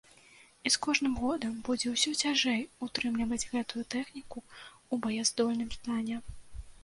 І з кожным годам будзе ўсё цяжэй утрымліваць гэтую тэхніку ў баяздольным стане.